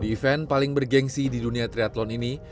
di event paling bergensi di dunia triathlon ini